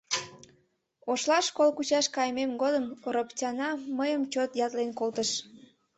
Ошлаш кол кучаш кайымем годым Ороптяна мыйым чот ятлен колтыш.